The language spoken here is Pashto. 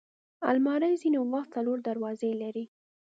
الماري ځینې وخت څلور دروازې لري